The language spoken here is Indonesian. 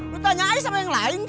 lo tanyain sama yang lain kek